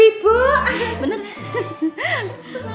ibu han benar